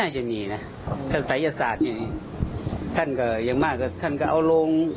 น่าจะมีน่ะท่านศัยยศาสตร์อย่างงี้ท่านก็อย่างมากก็ท่านก็เอาโรง